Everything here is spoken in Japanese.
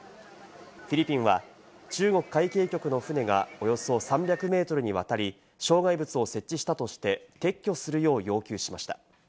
フィリピンは中国海警局の船がおよそ３００ｍにわたり障害物を設置したとして撤去するよう要求しました。